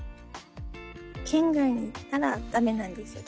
県外に行ったら駄目なんですよ